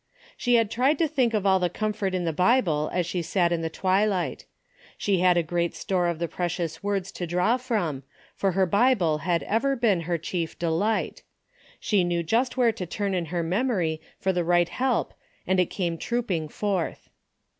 She had tried to think of all the comfort in the Bible as she sat in the tAvilight. She had a great store of the precious Avords to draw from, for her Bible had ever been her chief delight. She kneAV just Avhere to turn in her memory for the right help and it came trooping forth.